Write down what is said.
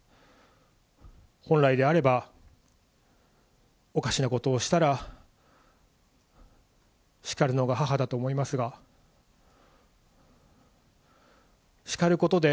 本来であれば、おかしなことをしたら、叱るのが母だと思いますが、叱ることで、